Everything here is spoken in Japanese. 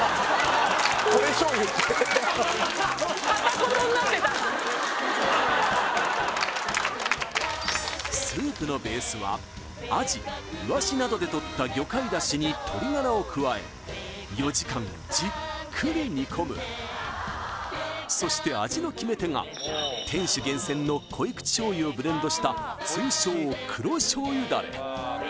幸せスープのベースはアジイワシなどでとった魚介出汁に鶏ガラを加え４時間じっくり煮込むそして味の決め手が店主厳選の濃口醤油をブレンドした通称黒醤油ダレ